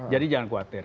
jadi jangan khawatir